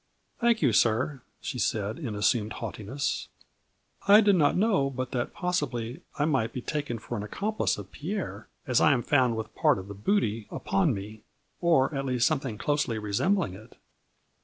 " Thank you, sir," she said, in assumed haugh tiness. " I did not know but that possibly I might be taken as an accomplice of Pierre, as I am found with part of the booty upon me ; or at least something closely resembling it."